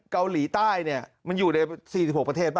เกาหลีใต้เนี่ยมันอยู่ใน๔๖ประเทศป่